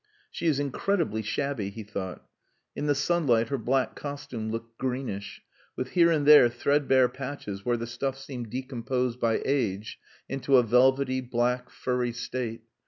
"She is incredibly shabby," he thought. In the sunlight her black costume looked greenish, with here and there threadbare patches where the stuff seemed decomposed by age into a velvety, black, furry state.